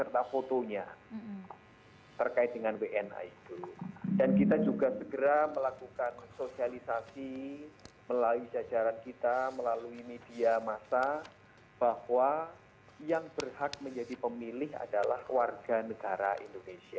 dan kita juga segera melakukan sosialisasi melalui jajaran kita melalui media massa bahwa yang berhak menjadi pemilih adalah warga negara indonesia